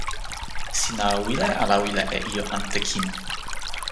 sina wile ala wile e ijo ante kin?